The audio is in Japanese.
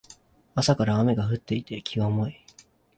朝から雨が降っていて気が重い